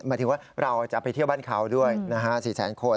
หมายถึงว่าเราจะไปเที่ยวบ้านเขาด้วย๔แสนคน